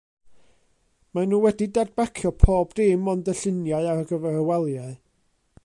Maen nhw wedi dadbacio pob dim ond y lluniau ar gyfer y waliau.